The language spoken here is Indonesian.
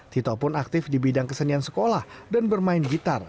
tito pun aktif di bidang kesenian sekolah dan bermain gitar